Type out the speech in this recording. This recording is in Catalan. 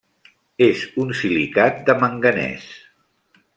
És un silicat de manganès.